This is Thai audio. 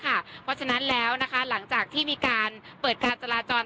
เพราะฉะนั้นแล้วหลังจากที่มีการเปิดการจราจร